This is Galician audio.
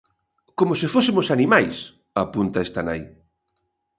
"Como se fósemos animais", apunta esta nai.